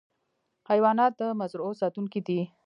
حیوانات د مزرعو ساتونکي دي.